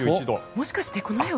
もしかしてこの絵は？